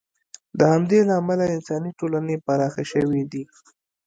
د همدې له امله انساني ټولنې پراخې شوې دي.